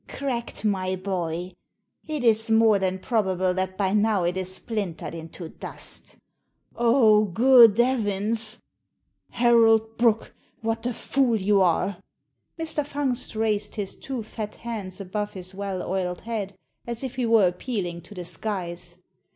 Cracked, my boy. It is more than probable that by now it is splintered into dust" "Oh, good 'evins! Harold Brooke, what a fool you are!" Mr. Fungst raised his two fat hands above his well oiled head, as if he were appealing to the skies.